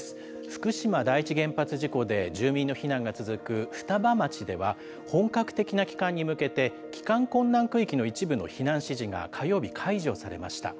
福島第一原発事故で住民の避難が続く双葉町では、本格的な帰還に向けて、帰還困難区域の一部の避難指示が火曜日、解除されました。